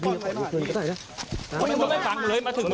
พี่บอกว่ามาทำไม